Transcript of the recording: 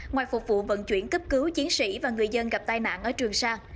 ngoài phục vụ vận chuyển cấp cứu chiến sĩ và người dân gặp tai nạn ở trường sa